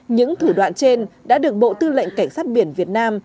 những thủ đoạn trên đã được bộ tư lệnh cảnh sát biển việt nam